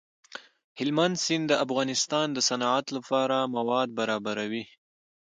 هلمند سیند د افغانستان د صنعت لپاره مواد برابروي.